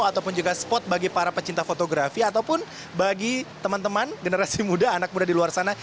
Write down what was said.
ataupun juga spot bagi para pecinta fotografi ataupun bagi teman teman generasi muda anak muda di luar sana